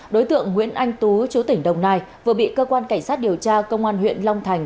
đối tượng nguyễn anh tú chú tỉnh đồng nai vừa bị cơ quan cảnh sát điều tra công an huyện long thành